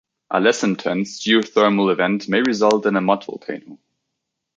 A less intense geothermal event may result in a mud volcano.